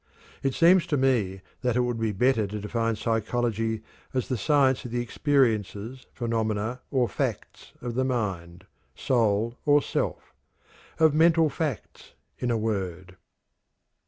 It seems to me that it would be better to define psychology as the science of the experiences, phenomena, or facts of the mind, soul, or self of mental facts, in a word."